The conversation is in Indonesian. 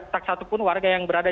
tak satupun warga yang berada